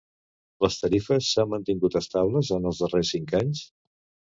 Les tarifes s'han mantingut estables en els darrers cinc anys?